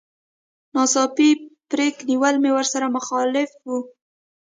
ناڅاپي بريک نيول مې ورسره مخالف و.